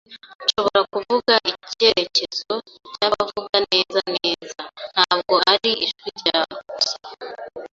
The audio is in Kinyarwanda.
Nshobora kuvuga icyerekezo cyabavuga neza neza, ntabwo ari ijwi rya gusa